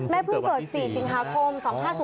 แม่พึ่งเกิด๔สิงหาธม๒๕๐๔